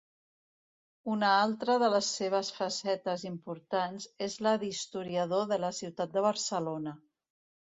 Una altra de les seves facetes importants és la d'historiador de la ciutat de Barcelona.